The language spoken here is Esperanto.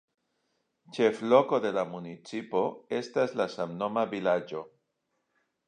Ĉefloko de la municipo estas la samnoma vilaĝo.